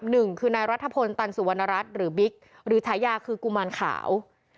หนึ่งคือนายรัฐพลตันสุวรรณรัฐหรือบิ๊กหรือฉายาคือกุมารขาว